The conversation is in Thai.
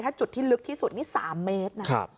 ถ้าจุดที่ลึกที่สุดนี่๓เมตรนะครับ